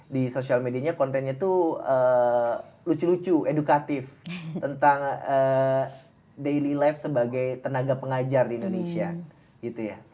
di sosial media kontennya itu lucu lucu edukatif tentang daily life sebagai tenaga pengajar di indonesia gitu ya